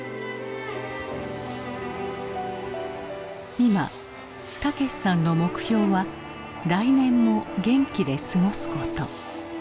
今武さんの目標は来年も元気で過ごすこと。